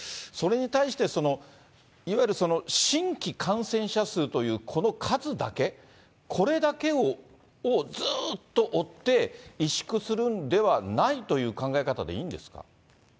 それに対して、いわゆるその、新規感染者数という、この数だけ、これだけをずっと追って、委縮するんではないという考え方でいいんですか。